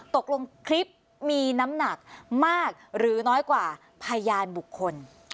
ตกลงคลิปมีน้ำหนักมากหรือน้อยกว่าพยานบุคคล